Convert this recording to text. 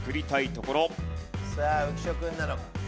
さあ浮所君なら。